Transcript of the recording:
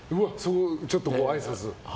ちょっとごあいさつを。